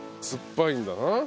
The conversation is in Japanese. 酸っぱいんだな。